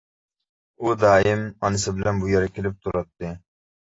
ئۇ دائىم ئانىسى بىلەن بۇ يەرگە كېلىپ تۇراتتى.